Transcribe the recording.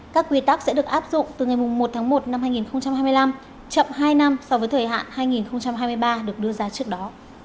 các quy tắc sẽ được áp dụng từ ngày một tháng một năm hai nghìn hai mươi năm chậm hai năm so với thời hạn hai nghìn hai mươi ba được đưa ra trước đó